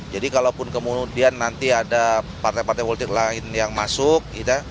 jadi kalau pun kemudian nanti ada partai partai politik lain yang masuk